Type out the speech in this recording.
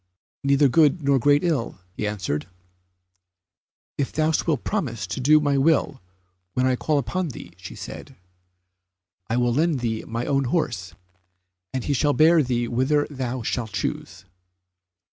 "Neither good nor great ill," answered he. "If thou wilt promise to do my will when I call upon thee," said she, "I will lend thee my own horse, and he shall bear thee whither thou shalt choose."